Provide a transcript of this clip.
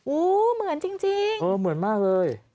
เหมือนจริงเออเหมือนมากเลย